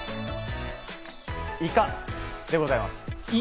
イカでございます。